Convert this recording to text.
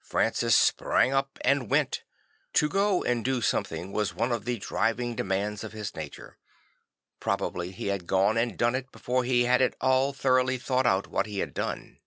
Francis sprang up and went. To go and do something was one of the driving demands of his nature; probably he had gone and done it before he had at all thoroughly thought out what he had done.